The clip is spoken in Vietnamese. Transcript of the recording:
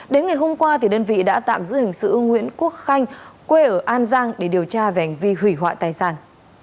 đến ngày hôm qua đơn vị đã tạm giữ hình sự nguyễn quốc khanh quê ở an giang để điều tra về hành vi hủy hoại tài sản